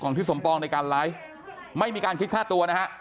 ทิศสมปองในการไลฟ์ไม่มีการคิดค่าตัวนะฮะ